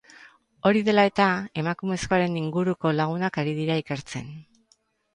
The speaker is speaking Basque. Hori dela eta, emakumezkoaren inguruko lagunak ari dira ikertzen.